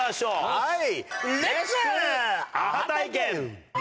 はい！